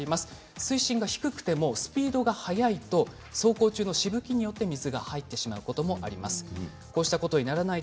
水深が低くてもスピードが速いと走行中のしぶきによって水が入ることもあります。